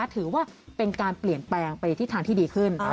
ถือว่าเป็นการเปลี่ยนแปลงไปในทิศทางที่ดีขึ้น